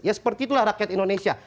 ya seperti itulah rakyat indonesia